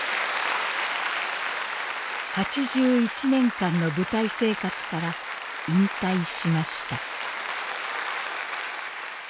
８１年間の舞台生活から引退しました。